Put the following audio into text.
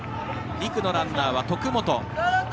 ２区のランナーは徳本。